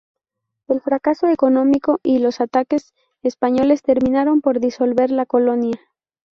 El fracaso económico y los ataques españoles terminaron por disolver la colonia.